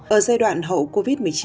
ở giai đoạn hậu covid một mươi chín